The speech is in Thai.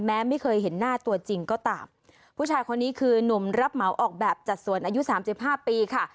แม้ไม่เคยเห็นหน้าตัวจริงก็ตามผู้ชายคนนี้คือนุ่มรับเหมาออกแบบจัดสวนอายุสามสิบห้าปีค่ะ